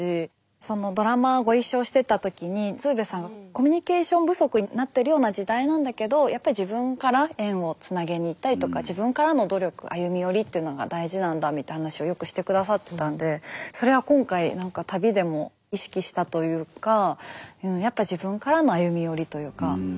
そのドラマご一緒してた時に鶴瓶さんがコミュニケーション不足になってるような時代なんだけどやっぱり自分から縁をつなげに行ったりとか自分からの努力歩み寄りっていうのが大事なんだみたいな話をよくして下さってたんでそれは今回何か旅でも意識したというかうんやっぱ自分からの歩み寄りというか。